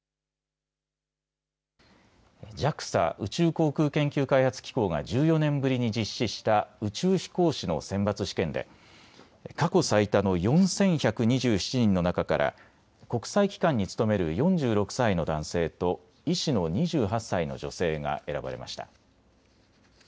ＪＡＸＡ・宇宙航空研究開発機構が１４年ぶりに実施した宇宙飛行士の選抜試験で過去最多の４１２７人の中から国際機関に勤める４６歳の男性と医師の２８歳の女性が選ばれました。